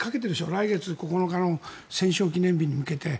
来月９日の戦勝記念日に向けて。